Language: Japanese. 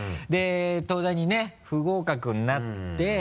で東大にね不合格になって。